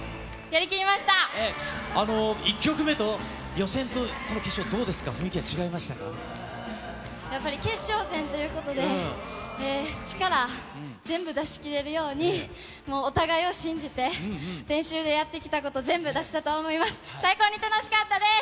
やっぱり決勝戦ということで、力全部出しきれるように、お互いを信じて、練習でやってきたことを全部出したと思います。